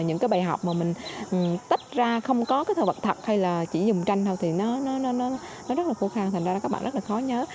nhưng mà tích ra không có cái thơ vật thật hay là chỉ dùng tranh thôi thì nó rất là khô khan thành ra các bạn rất là khó nhớ